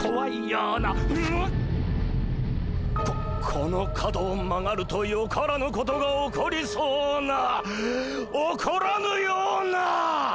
ここの角を曲がるとよからぬことが起こりそうな起こらぬような！